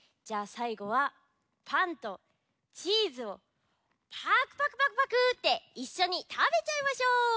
じゃあさいごはパンとチーズをパクパクパクパクっていっしょにたべちゃいましょう！